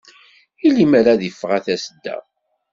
I limer ad aɣ-ifaq a Tasedda?